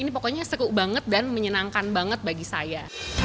ini pokoknya seru banget dan menyenangkan banget bagi saya